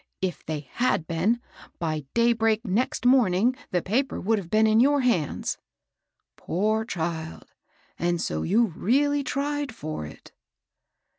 If they had been, by daybreak next morning the paper would have been in j^ur hands." " Poor child ! and so you really tried for it